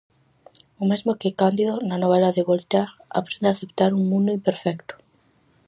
O mesmo que Cándido na novela de Voltaire, aprende a aceptar un mundo imperfecto.